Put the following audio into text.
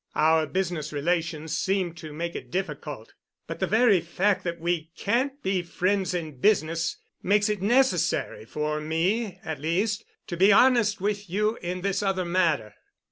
Our business relations seemed to make it difficult. But the very fact that we can't be friends in business makes it necessary for me, at least, to be honest with you in this other matter."